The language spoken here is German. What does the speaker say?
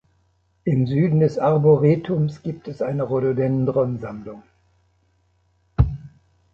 Im Süden des Arboretums gibt es eine Rhododendron-Sammlung.